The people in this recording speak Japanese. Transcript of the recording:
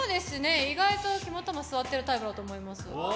意外と肝っ玉すわってるタイプだと思います。